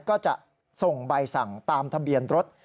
ก็จะส่งใบสั่งตามทะเบียนรถ